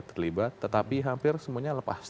terlibat tetapi hampir semuanya lepas